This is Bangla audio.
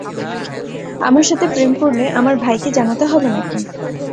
আমার সাথে প্রেম করলে আমার ভাইকে জানাতে হবে নাকি?